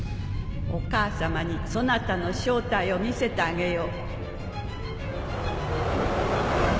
お母様にそなたの正体を見せてあげよう。